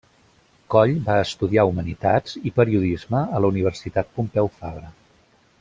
Coll va estudiar humanitats i periodisme a la Universitat Pompeu Fabra.